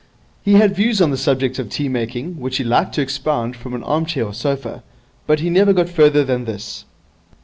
He had views on the subject of tea making which he liked to expound from an armchair or sofa, but he never got further than this.